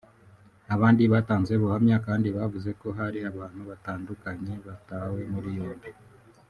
Abandi batanze ubuhamya kandi bavuze ko hari abantu batandukanye batawe muri yombi